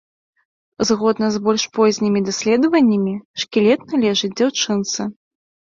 Згодна з больш познімі даследаваннямі, шкілет належыць дзяўчынцы.